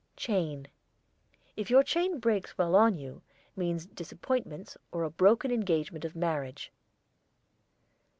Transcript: CHAIN. If your chain breaks while on you means disappointments or a broken engagement of marriage.